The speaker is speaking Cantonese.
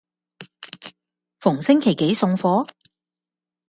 逢星期幾送貨？